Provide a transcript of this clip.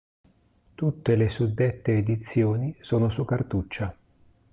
Tutte le suddette edizioni sono su cartuccia.